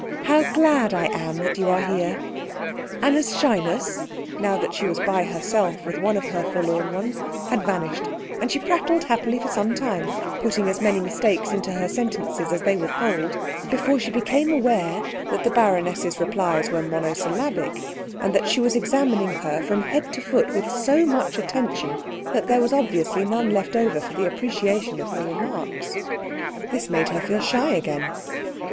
How glad I am that you are here!" Anna's shyness, now that she was by herself with one of her forlorn ones, had vanished, and she prattled happily for some time, putting as many mistakes into her sentences as they would hold, before she became aware that the baroness's replies were monosyllabic, and that she was examining her from head to foot with so much attention that there was obviously none left over for the appreciation of her remarks. This made her feel shy again.